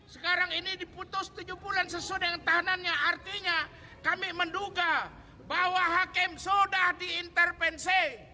sekarang ini diputus tujuh bulan sesuai dengan tahanannya artinya kami menduga bahwa hakim sudah diintervensi